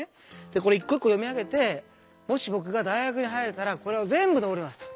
これ一こ一こ読み上げてもしぼくが大学に入れたらこれをぜんぶのぼりますと。